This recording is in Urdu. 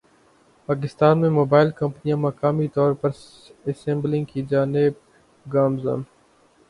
پاکستان میں موبائل کمپنیاں مقامی طور پر اسمبلنگ کی جانب گامزن